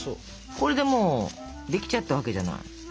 これでもうできちゃったわけじゃない？